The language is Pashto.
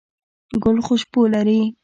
ګل خوشبو لري